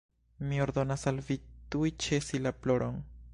"Mi ordonas al vi tuj ĉesi la ploron."